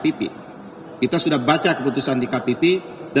akan tersiapkan dan lebih dua